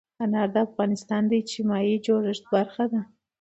انار د افغانستان د اجتماعي جوړښت برخه ده.